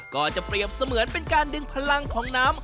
ก็จะเปรียบเสมือนเป็นการดึงพลังของน้ำ